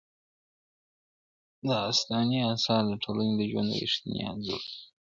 داستاني اثار د ټولني د ژوند رښتینی انځور وي.